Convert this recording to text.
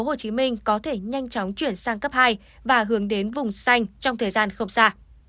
tp hcm có thể nhanh chóng chuyển sang cấp hai và hướng đến vùng xanh trong thời gian không xa